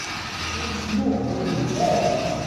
Ur smuɣbunemt ara.